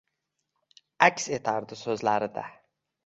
Аks etardi soʼzlarida